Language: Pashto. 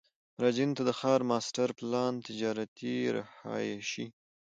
مراجعینو ته د ښار ماسټر پلان، تجارتي، رهایشي،